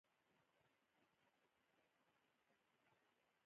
د سرخ کوتل کلا په بغلان کې ده